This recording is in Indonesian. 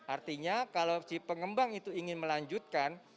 artinya kalau si pengembang itu ingin melanjutkan